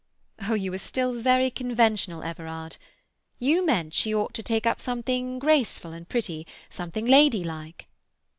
Oh, you are still very conventional, Everard. You meant she ought to take up something graceful and pretty—something ladylike."